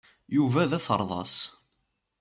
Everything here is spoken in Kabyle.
Yuba d aferḍas.